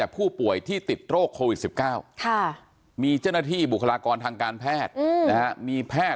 นี่นี่นี่นี่นี่นี่นี่นี่นี่